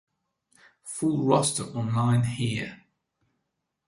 Full roster online here.